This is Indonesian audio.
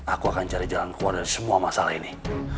aku akan cari jalan keluar dari semua masalah ini